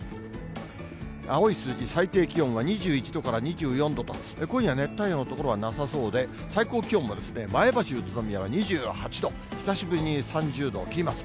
青い数字、最低気温は２１度から２４度と、今夜熱帯夜の所はなさそうで、最高気温も前橋、宇都宮は２８度、久しぶりに３０度を切ります。